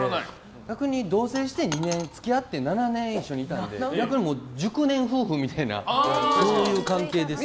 逆に同棲して２年付き合って７年一緒にいたので逆に熟年夫婦みたいな関係ですね。